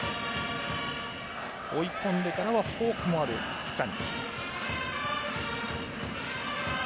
追い込んでからはフォークもある福谷。